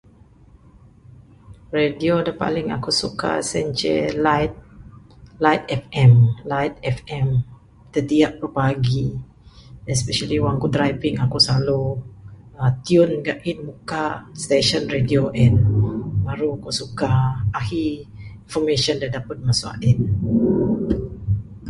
Radio da paling akuk suka sien ce Light, Light FM. Light FM tetiap brupagi, especially wang kuk driving wang akuk slalu tune gain mukak station radio en. Maru kuk suka ahi information da dapud masu a'in.